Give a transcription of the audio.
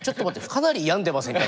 かなり病んでませんか？